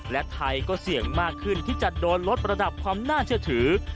และไทยก็เสี่ยงมากขึ้นที่จะโดนลดระดับความน่าเชื่อถือ